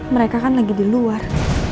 mereka kan lagi diluar